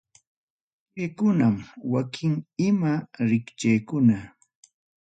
Kaykunam wakin ima rikchaykuna.